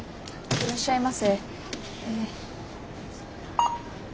いらっしゃいませ。